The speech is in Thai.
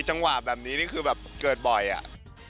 จังหวะแบบนี้แบบเกิดบ่อยอะ